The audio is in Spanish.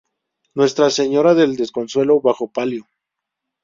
Nuestra Señora del Desconsuelo bajo palio.